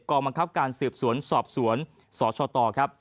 กรบังคับการสืบสวนสอบสวนสชต